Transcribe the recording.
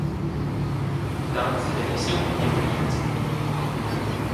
Там завяліся ў мяне прыяцелі.